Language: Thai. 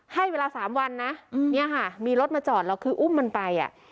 ให้เวลา๓วันนะมีรถมาจอดแล้วคืออุ้มมันไป